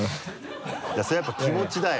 それはやっぱ気持ちだよ。